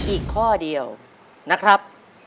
อีกข้อเดียวนะครับ